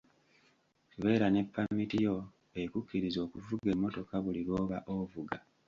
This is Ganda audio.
Beera ne ppamiti yo ekukkiriza okuvuga emmotoka buli lw'oba ovuga.